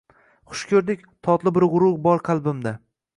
Xush ko‘rdik! Totli bir g‘urur bor qalbimda.